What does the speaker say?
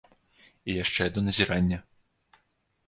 І яшчэ адно назіранне.